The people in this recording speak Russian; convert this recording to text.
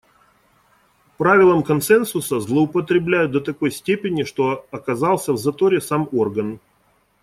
Правилом консенсуса злоупотребляют до такой степени, что оказался в заторе сам орган.